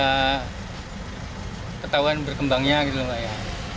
ketahuan berkembangnya gitu lho mbak ya